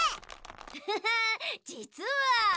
フフフッじつは。